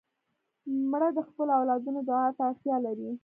مړه د خپلو اولادونو دعا ته اړتیا لري